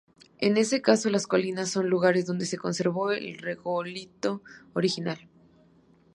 En ese caso, las colinas son lugares donde se conservó el regolito original.